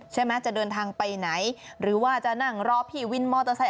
จะเดินทางไปไหนหรือว่าจะนั่งรอพี่วินมอเตอร์ไซค